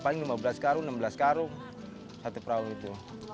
paling lima belas karung enam belas karung satu perahu itu